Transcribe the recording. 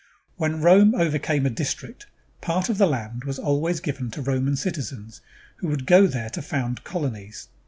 When Rome over came a district, part of the land was always given to Roman citizens who would go there to found colonies.